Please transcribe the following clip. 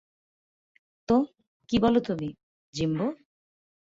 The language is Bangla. তো, কি বলো তুমি, জিম্বো?